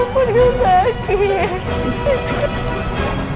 apa dia sakit